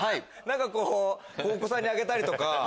何かお子さんにあげたりとか。